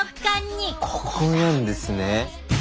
ここなんですね。